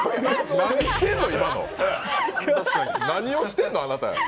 何してんの、あなた。